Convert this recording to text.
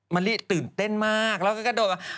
มะลิตื่นเต้นมากแล้วก็กระโดดว่า